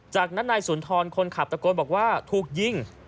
จากนั้นนายสุนทรคนขับตะโกนบอกว่าถูกยิง